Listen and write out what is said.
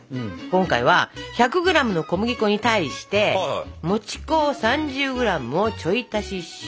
今回は１００ｇの小麦粉に対してもち粉を３０ｇをちょい足しします。